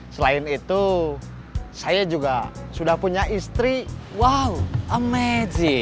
selain itu saya juga punya beberapa gerobak cilok yang berbeda dengan saya